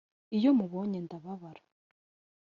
iyo mubonye nda babara